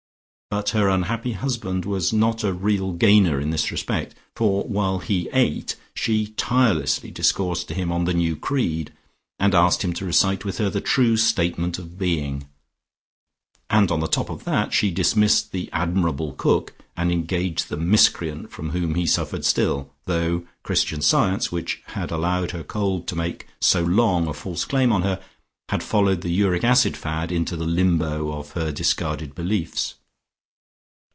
But her unhappy husband was not a real gainer in this respect, for while he ate, she tirelessly discoursed to him on the new creed, and asked him to recite with her the True Statement of Being. And on the top of that she dismissed the admirable cook, and engaged the miscreant from whom he suffered still, though Christian Science, which had allowed her cold to make so long a false claim on her, had followed the uric acid fad into the limbo of her discarded beliefs.